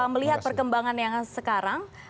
melihat perkembangan yang sekarang